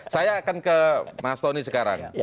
saya akan ke mas tony sekarang